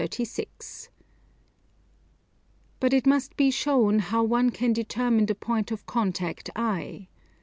But it must be shown how one can determine the point of contact I.